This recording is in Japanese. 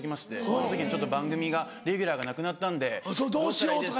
その時にちょっと番組がレギュラーがなくなったんでどうしたらいいですか？